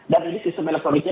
dan ini sistem elektroniknya